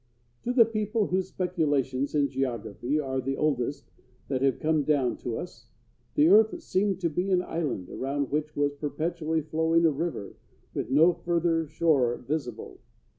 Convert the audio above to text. To the people whose speculations in geography are the oldest that have come down to us, the earth seemed to be an island around which was perpetually flowing a river with no further shore visible.